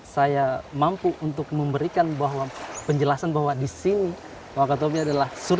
saya mampu untuk memberikan bahwa penjelasan bahwa disini wakat hobi adalah surga